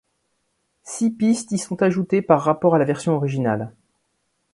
Six pistes y sont ajoutées par rapport à la version originale.